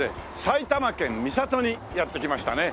埼玉県三郷にやって来ましたね。